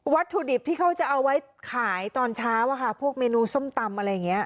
วัตถุดิบที่เขาจะเอาไว้ขายตอนเช้าอะค่ะพวกเมนูส้มตำอะไรอย่างนี้